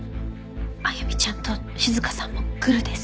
歩ちゃんと静さんもグルです。